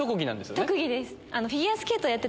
特技です。